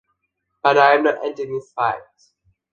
But I am not ending this fight.